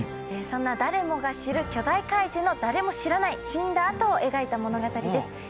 そんな誰もが知る巨大怪獣の誰も知らない死んだ後を描いた物語です。